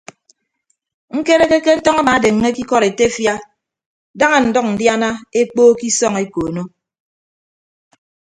Ñkereke ke ntọñ amaadeññe ke ikọd etefia daña ndʌñ ndiana ekpookko isọñ ekoono.